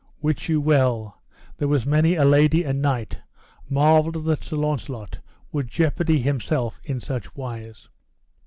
Wit you well there was many a lady and knight marvelled that Sir Launcelot would jeopardy himself in such wise.